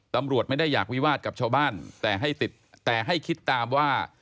ตำรวจไม่ได้อยากวิวาสกับชาวบ้านแต่ให้ติดแต่ให้คิดตามว่า